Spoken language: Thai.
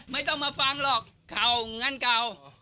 ไม่ต้องมาฟังหรอกเก่าเงินเก่า